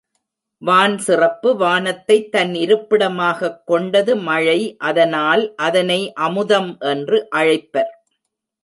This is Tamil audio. வான் சிறப்பு வானத்தைத் தன் இருப்பிடமாகக் கொண்டது மழை அதனால் அதனை அமுதம் என்று அழைப்பர்.